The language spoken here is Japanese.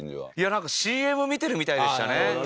なんかＣＭ見てるみたいでしたね。